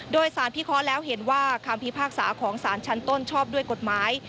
โดยสารพิเคราะห์แล้วเห็นว่าคำพิพากษาของสารชั้นต้นชอบด้วยกฎหมาย